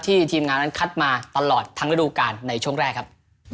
ทีมงานนั้นคัดมาตลอดทั้งฤดูการในช่วงแรกครับ